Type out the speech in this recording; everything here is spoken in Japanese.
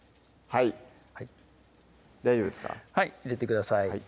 はい入れてください